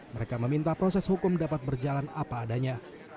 mereka meminta proses hukum dapat berjalan apa adanya